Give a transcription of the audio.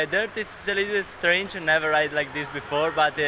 dirtnya sangat aneh saya tidak pernah mengerjakan seperti ini